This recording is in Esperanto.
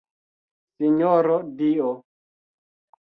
Sinjoro dio!